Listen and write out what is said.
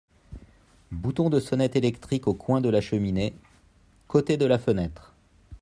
Bouton de sonnette électrique au coin de la cheminée, côté de la fenêtre.